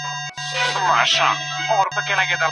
پوهانو د عايد د وېش پر څرنګوالي تل بحث کاوه.